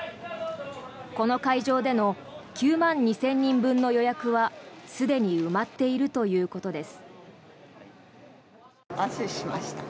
この会場での９万２０００人分の予約はすでに埋まっているということです。